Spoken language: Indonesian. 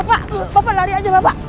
pak bapak lari aja bapak